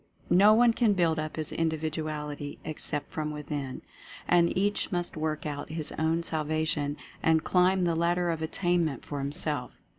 No one can build up his Individuality except from Within. And each must work out his own salvation and climb the Lad der of Attainment for himself.